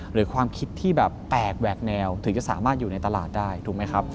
หรือความคิดที่แบบแปลกแหวกแนวถึงจะสามารถอยู่ในตลาดได้ถูกไหมครับ